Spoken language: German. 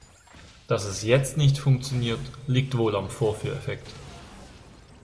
Dass es jetzt nicht funktioniert, liegt wohl am Vorführeffekt.